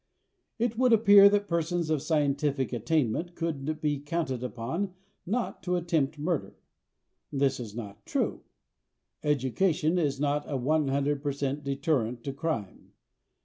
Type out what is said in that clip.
It would appear that persons of scientific attainment could be counted upon not to attempt murder. This is not true. Education is not a one hundred percent deterrent to crime.